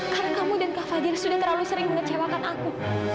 karena kamu dan kak fadil sudah terlalu sering mengecewakan aku